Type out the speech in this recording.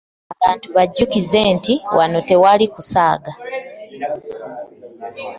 Abantu bajjukize nti wano tewali kusaaga.